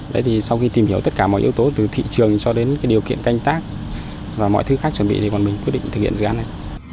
đấy thì sau khi tìm hiểu tất cả mọi yếu tố từ thị trường cho đến cái điều kiện canh tác và mọi thứ khác chuẩn bị thì bọn mình quyết định thực hiện dự án này